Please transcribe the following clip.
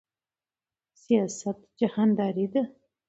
سیاست جهانداری ده